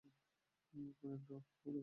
এক মিনিট, ড্রাক কোথায়?